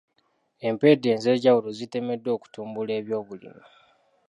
Empenda ez'enjawulo zitemeddwa okutumbula ebyobulimi.